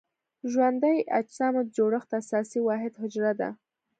ژوندي اجسامو د جوړښت اساسي واحد حجره ده.